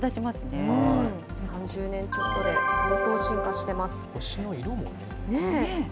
３０年ちょっとで相当進化し星の色もね。